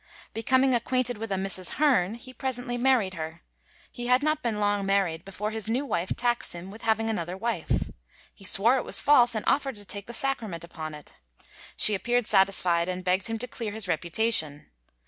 Becoming acquainted with a Mrs. Hern, he presently married her. He had not been long married before his new wife taxed him with having another wife. He swore it was false, and offered to take the sacrament upon it. She appeared satisfied, and begged him to clear his reputation.